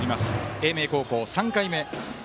英明高校３回目。